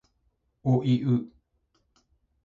おいう